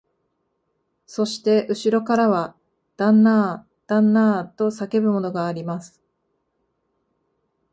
そしてうしろからは、旦那あ、旦那あ、と叫ぶものがあります